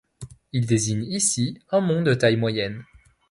Il désigne ici un mont de taille moyenne.